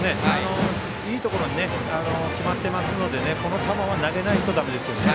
いいところに決まっていますのでこの球は投げないとだめですよね。